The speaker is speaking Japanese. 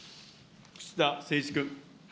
串田誠一君。